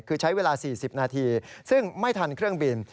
คือใช้เวลา๔๐นาทีซึ่งไม่ทันเครื่องบิน